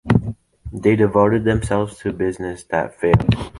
They devoted themselves to business that failed.